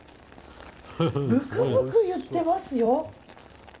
ぶくぶくいってますよ。